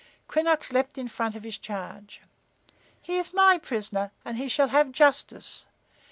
Quinnox leaped in front of his charge. "He is my prisoner, and he shall have justice.